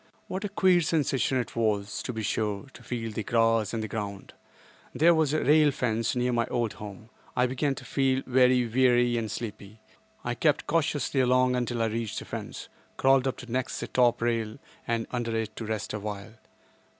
What a queer sensation it was, to be sure, to feel the grass and the ground! There was a rail fence near my old home. I began to feel very weary and sleepy. I crept cautiously along until I reached the fence; crawled up to next the top rail and under it to rest awhile.